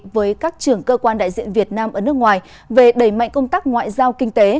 với các trưởng cơ quan đại diện việt nam ở nước ngoài về đẩy mạnh công tác ngoại giao kinh tế